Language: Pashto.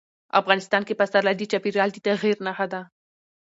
افغانستان کې پسرلی د چاپېریال د تغیر نښه ده.